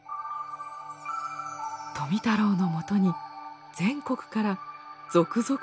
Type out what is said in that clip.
富太郎のもとに全国から続々と標本が寄せられました。